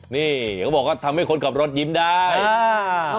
นี่เขาบอกว่าทำให้คนขับรถยิ้มได้อ่า